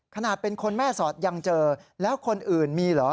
ขนาดเป็นคนแม่สอดยังเจอแล้วคนอื่นมีเหรอ